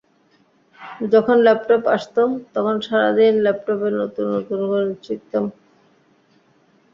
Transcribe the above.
যখন ল্যাপটপ আসত, তখন সারা দিন ল্যাপটপে নতুন নতুন গণিত শিখতাম।